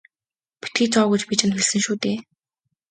Битгий зов гэж би чамд хэлсэн шүү дээ.